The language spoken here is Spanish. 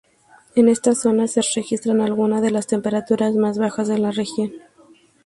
En esta zonas se registran algunas de las temperaturas más bajas de la región.